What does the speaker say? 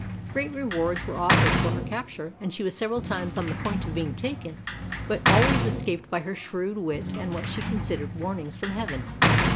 Great rewards were offered for her capture and she was several times on the point of being taken, but always escaped by her shrewd wit and what she considered warnings from heaven.